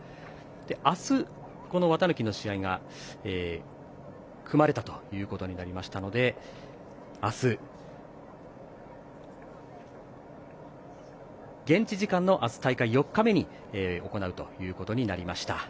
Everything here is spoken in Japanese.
明日、この綿貫の試合が組まれたということになりましたので明日、現地時間の大会４日目に行うということになりました。